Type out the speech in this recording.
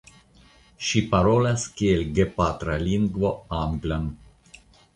Ŝi parolas kiel gepatra lingvo anglan.